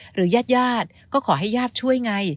หรือญาติก็ขอให้ญาติช่วยไง